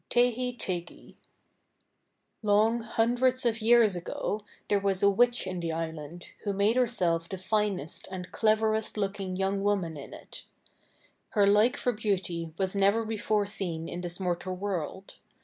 TEHI TEGI Long hundreds of years ago there was a witch in the island who made herself the finest and cleverest looking young woman in it. Her like for beauty was never before seen in this mortal world.